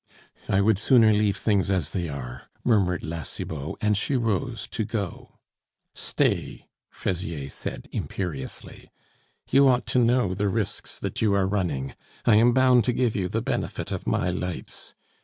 "I would sooner leave things as they are " murmured La Cibot, and she rose to go. "Stay," Fraisier said imperiously. "You ought to know the risks that you are running; I am bound to give you the benefit of my lights.